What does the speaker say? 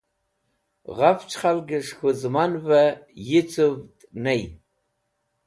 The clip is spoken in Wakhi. Ghafch khalgẽs̃h k̃hũ zẽmanvẽ yicũvd ney.